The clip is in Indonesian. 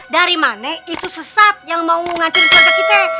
dari mana isu sesat yang mau ngancurin kata kita